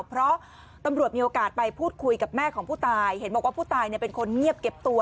เพราะตำรวจมีโอกาสไปพูดคุยกับแม่ของผู้ตายเห็นบอกว่าผู้ตายเป็นคนเงียบเก็บตัว